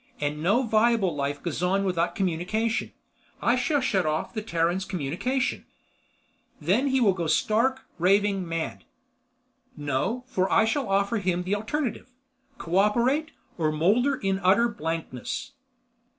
And no viable life goes on without communication, I shall shut off the Terran's communication." "Then he will go rank staring, raving mad." "No, for I shall offer him the alternative. Co operate, or molder in utter blankness."